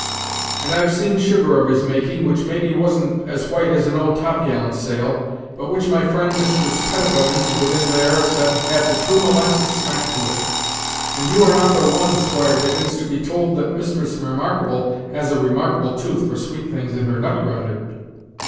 And I've seen sugar of his making, which, maybe, wasn't as white as an old topgallant sail, but which my friend, Mistress Pettibones, within there, said had the true molasses smack to it; and you are not the one, Squire Dickens, to be told that Mistress Remarkable has a remarkable tooth for sweet things in her nut grinder."